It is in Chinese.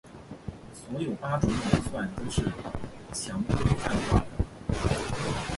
所有八种演算都是强规范化的。